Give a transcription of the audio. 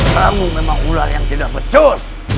kamu memang ular yang tidak pecos